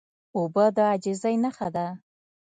اوبه د عاجزۍ نښه ده.